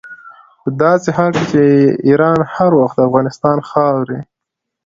په داسې حال کې چې ایران هر وخت د افغانستان خاورې.